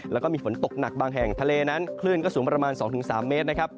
แล้วก็มีฝนตกหนักบางแห่งทะเลนั้นคลื่นก็สูงประมาณ๒๓เมตรนะครับ